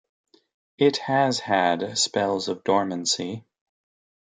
It has had spells of dormancy.